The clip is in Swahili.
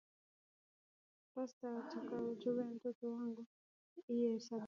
pasta ataombeya mutoto yangu iyi sabato